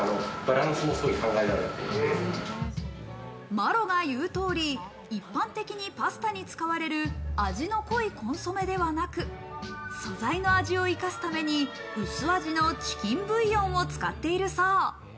まろが言う通り、一般的にパスタに使われる味の濃いコンソメではなく、素材の味を生かすために薄味のチキンブイヨンを使っているそう。